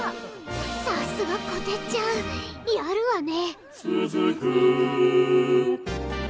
さすがこてっちゃんやるわね。